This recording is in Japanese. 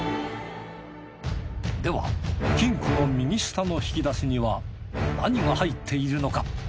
では金庫の右下の引き出しには何が入っているのか？